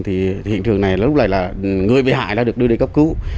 thì hiện trường này lúc này là người bị hại đã được đưa đi cấp cứu